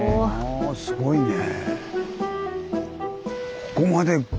すごいね。